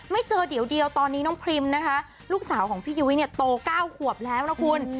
ไม่เจอเดี๋ยวเดียวตอนนี้น้องพรีมนะคะลูกสาวของพี่ยุ้ยเนี่ยโต๙ขวบแล้วนะคุณ